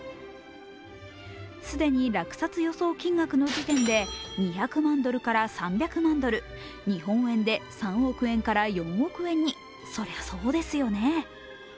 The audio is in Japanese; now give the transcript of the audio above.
既に落札予想金額の時点で２００万ドルから３００万ドル、日本円で３億円から４億円に、そりゃあそうですよね。